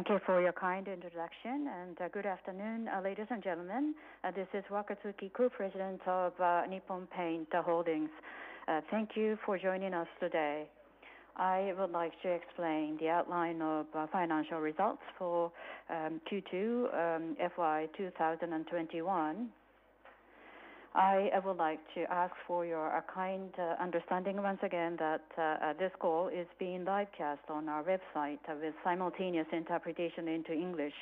Thank you for your kind introduction, and good afternoon, ladies and gentlemen. This is Wakatsuki, Co-President of Nippon Paint Holdings. Thank you for joining us today. I would like to explain the outline of financial results for Q2, FY 2021. I would like to ask for your kind understanding once again that this call is being live cast on our website with simultaneous interpretation into English.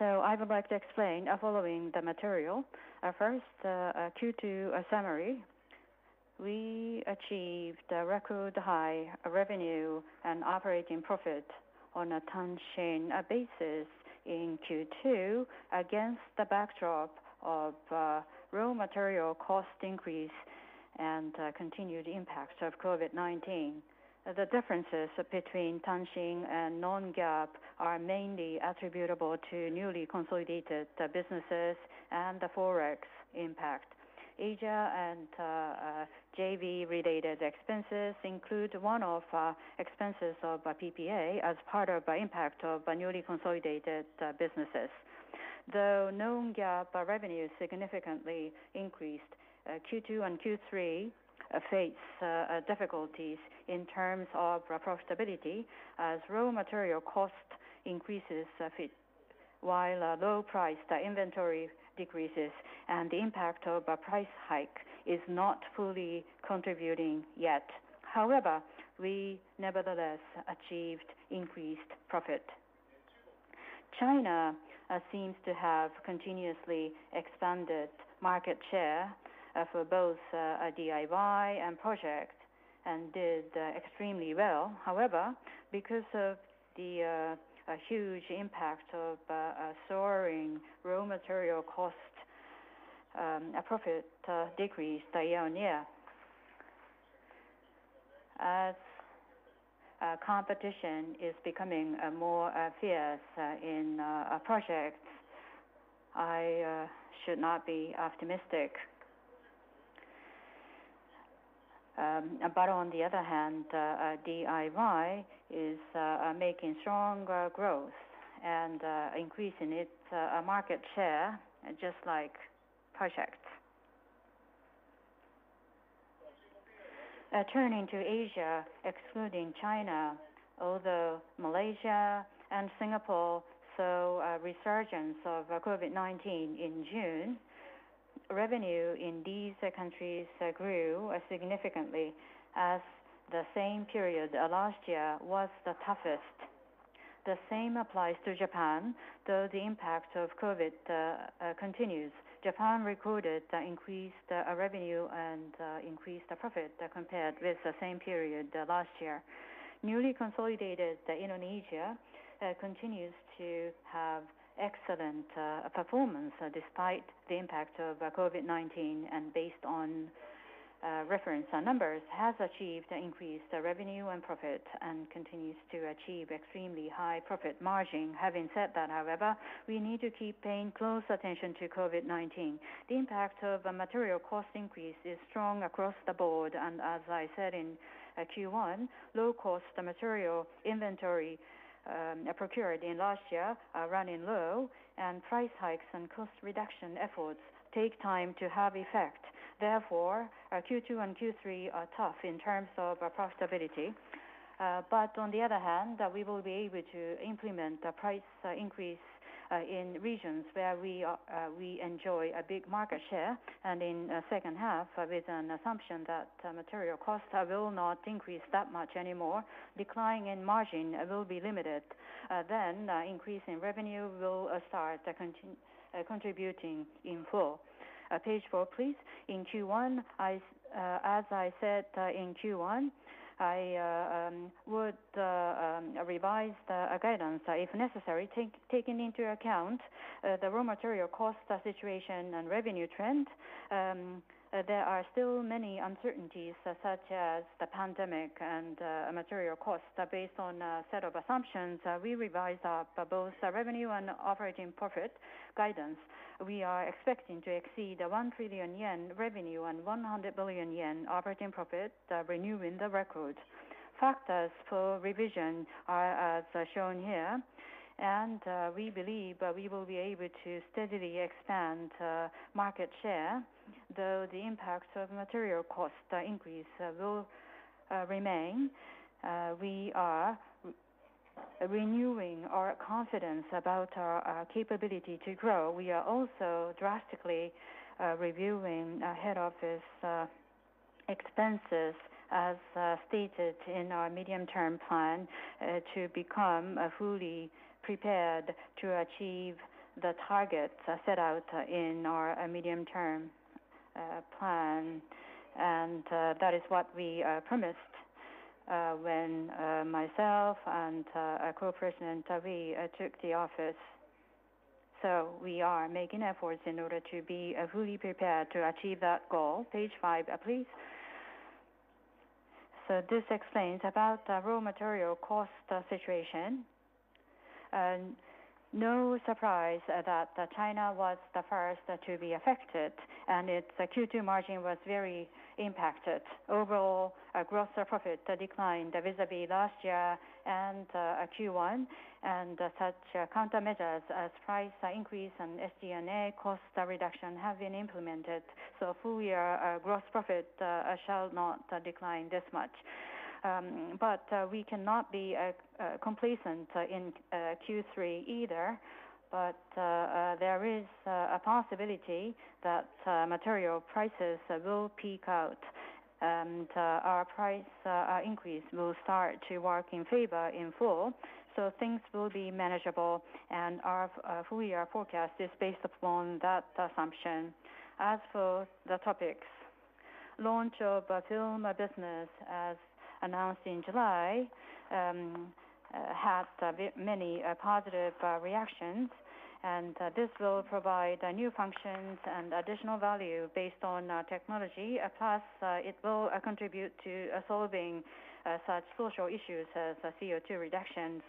I would like to explain following the material. First, Q2 summary. We achieved a record high revenue and operating profit on a Tanshin basis in Q2 against the backdrop of raw material cost increase and continued impacts of COVID-19. The differences between Tanshin and non-GAAP are mainly attributable to newly consolidated businesses and the FX impact. Asia and JV-related expenses include one-off expenses of PPA as part of the impact of newly consolidated businesses. The non-GAAP revenue significantly increased. Q2 and Q3 face difficulties in terms of profitability as raw material cost increases while low price inventory decreases and the impact of a price hike is not fully contributing yet. We nevertheless achieved increased profit. China seems to have continuously expanded market share for both DIY and Project and did extremely well. Because of the huge impact of soaring raw material cost, profit decreased year-on-year. Competition is becoming more fierce in Project, I should not be optimistic. On the other hand, DIY is making stronger growth and increasing its market share just like Project. Turning to Asia, excluding China, although Malaysia and Singapore saw a resurgence of COVID-19 in June, revenue in these countries grew significantly as the same period last year was the toughest. The same applies to Japan, though the impact of COVID continues. Japan recorded increased revenue and increased profit compared with the same period last year. Newly consolidated Indonesia continues to have excellent performance despite the impact of COVID-19 and based on reference numbers, has achieved increased revenue and profit and continues to achieve extremely high profit margin. Having said that, however, we need to keep paying close attention to COVID-19. The impact of material cost increase is strong across the board, and as I said in Q1, low cost material inventory procured in last year are running low, and price hikes and cost reduction efforts take time to have effect. Therefore, Q2 and Q3 are tough in terms of profitability. On the other hand, we will be able to implement a price increase in regions where we enjoy a big market share. In second half, with an assumption that material costs will not increase that much anymore, declining in margin will be limited. Increase in revenue will start contributing in full. Page four, please. As I said, in Q1, I would revise the guidance if necessary, taking into account the raw material cost situation and revenue trend. There are still many uncertainties, such as the pandemic and material cost. Based on a set of assumptions, we revised up both revenue and operating profit guidance. We are expecting to exceed 1 trillion yen revenue and 100 billion yen operating profit, renewing the record. Factors for revision are as shown here, and we believe we will be able to steadily expand market share, though the impacts of material cost increase will remain. We are renewing our confidence about our capability to grow. We are also drastically reviewing head office expenses, as stated in our medium-term plan, to become fully prepared to achieve the targets set out in our medium-term plan. That is what we promised when myself and Co-president Wee took the office. We are making efforts in order to be fully prepared to achieve that goal. Page five, please. This explains about the raw material cost situation. No surprise that China was the first to be affected and its Q2 margin was very impacted. Overall, gross profit declined vis-a-vis last year and Q1, and such countermeasures as price increase and SG&A cost reduction have been implemented. Full year gross profit shall not decline this much. We cannot be complacent in Q3 either. There is a possibility that material prices will peak out, and our price increase will start to work in favor in full, so things will be manageable and our full year forecast is based upon that assumption. As for the topics, launch of film business, as announced in July, has many positive reactions, and this will provide new functions and additional value based on technology. It will contribute to solving such social issues as CO2 reduction.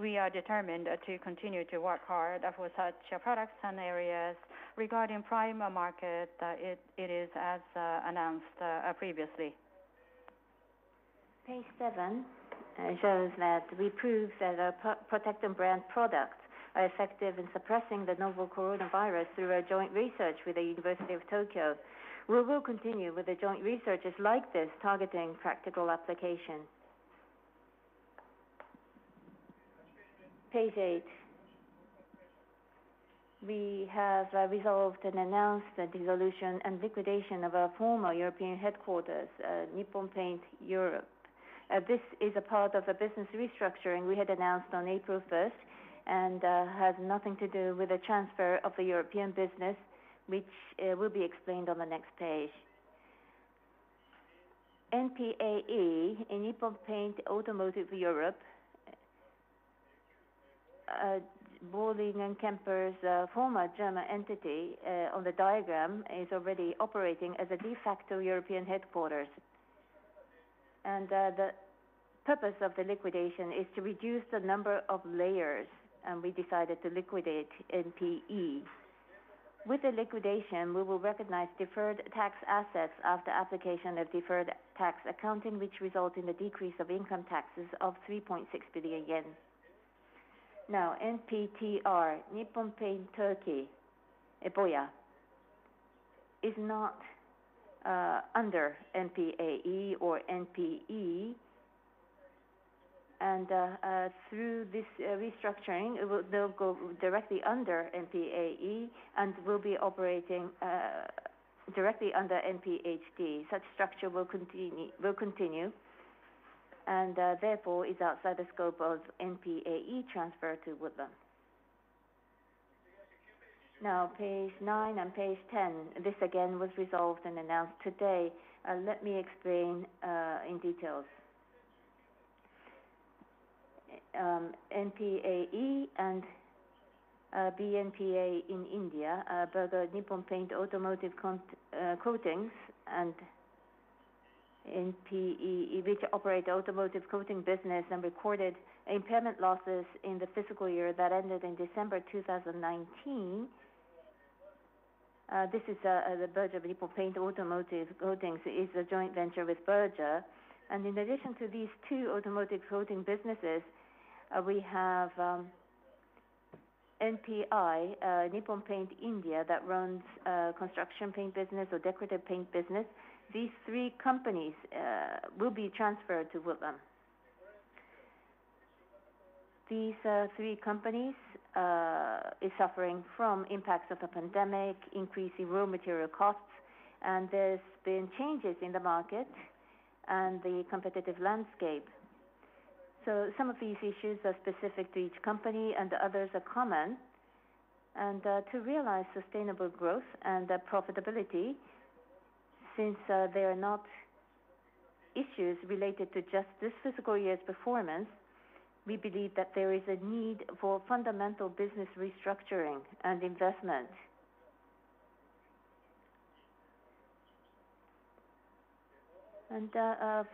We are determined to continue to work hard for such products and areas. Regarding primer market, it is as announced previously. Page seven shows that we proved that our PROTECTON products are effective in suppressing the novel coronavirus through a joint research with The University of Tokyo. We will continue with the joint researches like this targeting practical application. Page eight. We have resolved and announced the dissolution and liquidation of our former European headquarters, Nippon Paint Europe. This is a part of a business restructuring we had announced on April 1st and has nothing to do with the transfer of the European business, which will be explained on the next page. NPAE, Nippon Paint Automotive Europe, Bollig & Kemper's former German entity on the diagram is already operating as a de facto European headquarters, and the purpose of the liquidation is to reduce the number of layers, and we decided to liquidate NPE. With the liquidation, we will recognize deferred tax assets after application of deferred tax accounting, which result in a decrease of income taxes of 3.6 billion yen. NPTR, Nippon Paint Turkey, Boya, is not under NPAE or NPE, and through this restructuring, they'll go directly under NPAE and will be operating directly under NPHD. Such structure will continue, and therefore is outside the scope of NPAE transfer to Wuthelam. Now page nine and page 10. This again was resolved and announced today. Let me explain in details. NPAE and BNPA in India, Berger Nippon Paint Automotive Coatings and NPE, which operate automotive coating business and recorded impairment losses in the fiscal year that ended in December 2019. This is the Berger Nippon Paint Automotive Coatings is a joint venture with Berger. In addition to these two automotive coating businesses, we have NPI, Nippon Paint India, that runs construction paint business or decorative paint business. These three companies will be transferred to Wuthelam. These three companies is suffering from impacts of the pandemic, increasing raw material costs, and there's been changes in the market and the competitive landscape. Some of these issues are specific to each company and others are common. To realize sustainable growth and profitability, since they are not issues related to just this fiscal year's performance, we believe that there is a need for fundamental business restructuring and investment.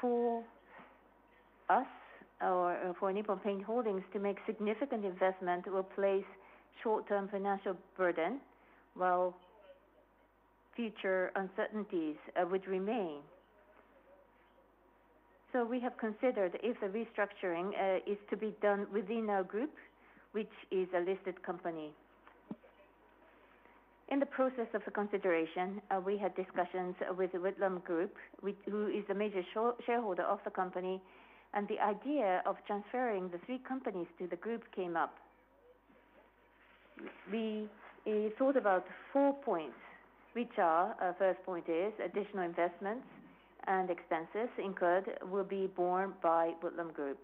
For us, or for Nippon Paint Holdings to make significant investment will place short-term financial burden while future uncertainties would remain. We have considered if the restructuring is to be done within our group, which is a listed company. In the process of consideration, we had discussions with Wuthelam Group, who is a major shareholder of the company, and the idea of transferring the three companies to the group came up. We thought about four points, which are, first point is additional investments and expenses incurred will be borne by Wuthelam Group.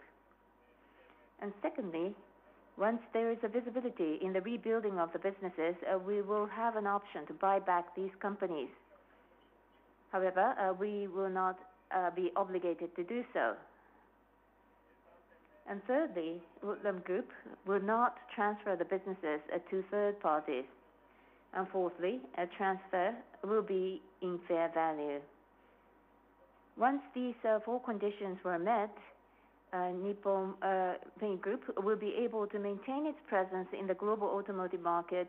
Secondly, once there is visibility in the rebuilding of the businesses, we will have an option to buy back these companies. However, we will not be obligated to do so. Thirdly, Wuthelam Group will not transfer the businesses to third parties. Fourthly, a transfer will be in fair value. Once these four conditions were met, Nippon Paint Group will be able to maintain its presence in the global automotive market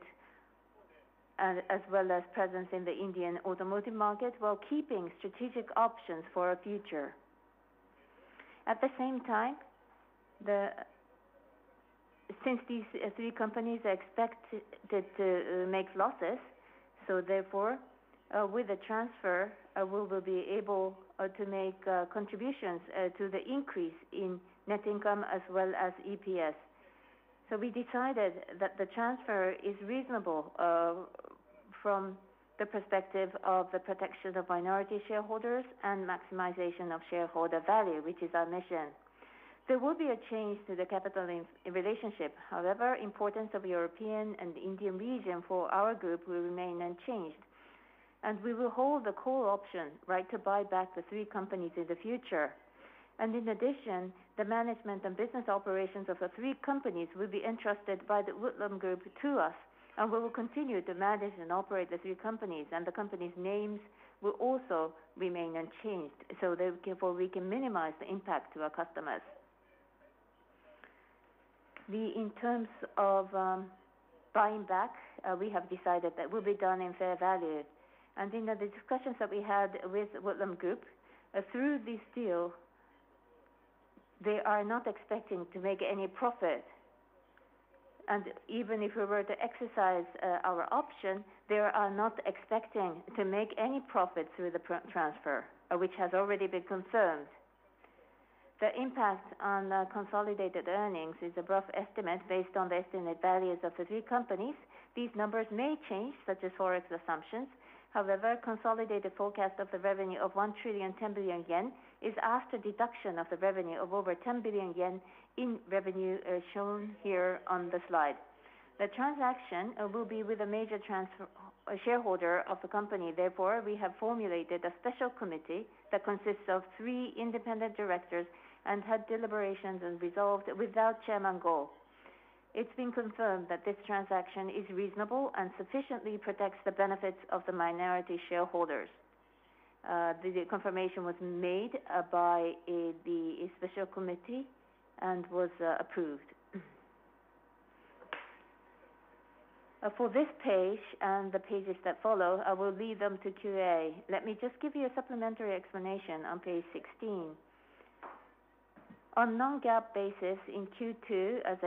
as well as presence in the Indian automotive market while keeping strategic options for our future. At the same time, since these three companies are expected to make losses, therefore, with the transfer, we will be able to make contributions to the increase in net income as well as EPS. We decided that the transfer is reasonable from the perspective of the protection of minority shareholders and maximization of shareholder value, which is our mission. There will be a change to the capital relationship. However, importance of European and Indian region for our group will remain unchanged, and we will hold the call option right to buy back the three companies in the future. In addition, the management and business operations of the three companies will be entrusted by the Wuthelam Group to us, and we will continue to manage and operate the three companies, and the companies' names will also remain unchanged. Therefore, we can minimize the impact to our customers. In terms of buying back, we have decided that will be done in fair value. In the discussions that we had with Wuthelam Group, through this deal, they are not expecting to make any profit. Even if we were to exercise our option, they are not expecting to make any profit through the transfer, which has already been confirmed. The impact on the consolidated earnings is a rough estimate based on the estimated values of the three companies. These numbers may change, such as Forex assumptions. Consolidated forecast of the revenue of 1,010 billion yen is after deduction of the revenue of over 10 billion yen in revenue as shown here on the slide. The transaction will be with a major shareholder of the company. We have formulated a special committee that consists of three independent directors and had deliberations and resolved without Chairman Goh. It's been confirmed that this transaction is reasonable and sufficiently protects the benefits of the minority shareholders. The confirmation was made by the special committee and was approved. For this page and the pages that follow, I will leave them to QA. Let me just give you a supplementary explanation on page 16. On non-GAAP basis in Q2, as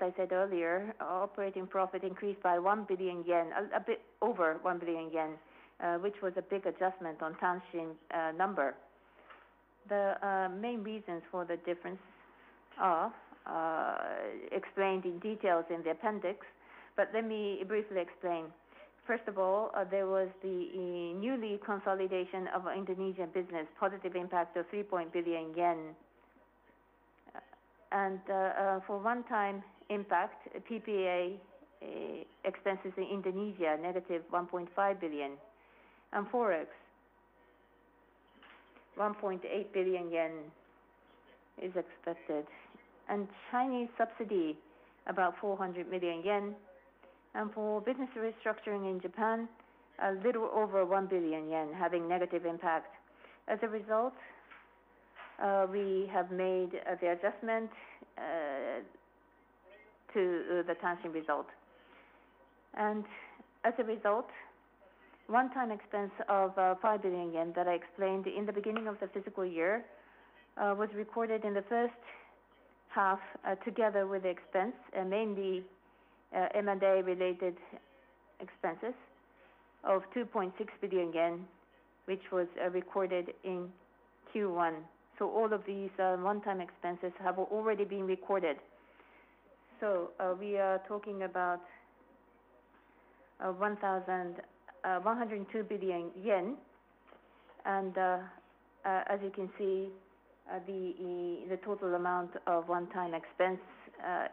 I said earlier, operating profit increased by 1 billion yen, a bit over 1 billion yen, which was a big adjustment on Tanshin number. The main reasons for the difference are explained in details in the appendix. Let me briefly explain. First of all, there was the newly consolidation of our Indonesian business, positive impact of 3 billion yen . For one-time impact, PPA expenses in Indonesia, -1.5 billion. FX, 1.8 billion yen is expected. Chinese subsidy, about 400 million yen. For business restructuring in Japan, a little over 1 billion yen having negative impact. As a result, we have made the adjustment to the Tanshin result. As a result, one-time expense of 5 billion yen that I explained in the beginning of the fiscal year was recorded in the first half together with the expense, and mainly M&A related expenses of 2.6 billion yen, which was recorded in Q1. All of these one-time expenses have already been recorded. We are talking about 102 billion yen and, as you can see, the total amount of one-time expense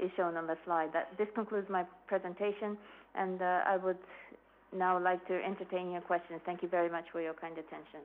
is shown on the slide. This concludes my presentation, and I would now like to entertain your questions. Thank you very much for your kind attention.